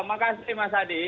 makasih mas adi